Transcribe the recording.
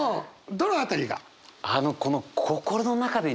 どの辺りが？